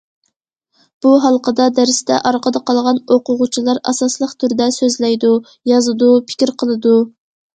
بۇ ھالقىدا دەرستە ئارقىدا قالغان ئوقۇغۇچىلار ئاساسلىق تۈردە سۆزلەيدۇ، يازىدۇ، پىكىر قىلىدۇ.